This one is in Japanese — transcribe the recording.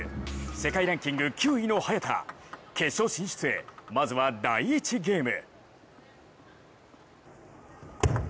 世界ランキング９位の早田決勝進出へ、まずは第１ゲーム。